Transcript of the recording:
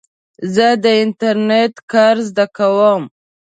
زه د انټرنېټ کار زده کوم.